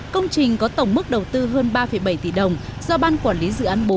công trình có tổng mức đầu tư hơn ba bảy tỷ đồng do ban quản lý dự án bốn